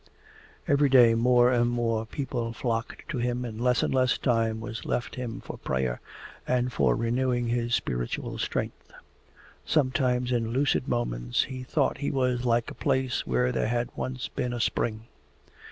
Every day more and more people flocked to him and less and less time was left him for prayer and for renewing his spiritual strength. Sometimes in lucid moments he thought he was like a place where there had once been a spring.